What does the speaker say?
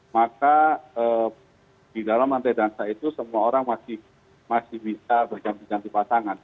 maka di dalam lantai dansa itu semua orang masih bisa berganti ganti pasangan